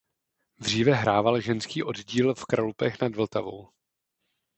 Dříve hrával ženský oddíl v Kralupech nad Vltavou.